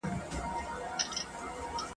نجوني باید خامخا زده کړي وکړي.